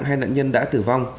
hai nạn nhân đã tử vong